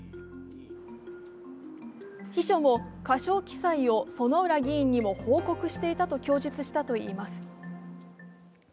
秘書も過少記載を薗浦議員にも報告していたと供述したといいます。